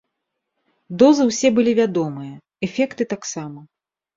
Дозы ўсе былі вядомыя, эфекты таксама.